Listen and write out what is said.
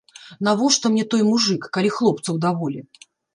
Навошта мне той мужык, калі хлопцаў даволі.